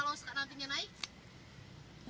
kalau sekarang nantinya naik